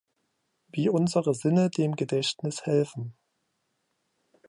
Wie unsere Sinne dem Gedächtnis helfen".